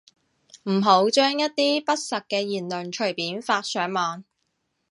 唔好將一啲不實嘅言論隨便發上網